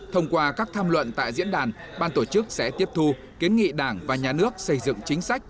thông qua các tham luận tại diễn đàn ban tổ chức sẽ tiếp thu kiến nghị đảng và nhà nước xây dựng chính sách